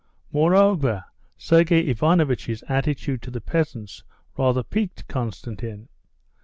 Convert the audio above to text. Moreover, Sergey Ivanovitch's attitude to the peasants rather piqued Konstantin.